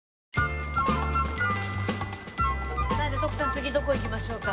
次どこ行きましょうか？